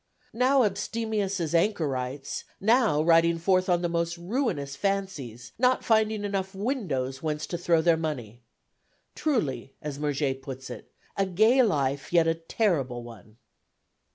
Now abstemious as anchorites, now riding forth on the most ruinous fancies, not finding enough windows whence to throw their money. Truly, as Murger puts it, a gay life yet a terrible one!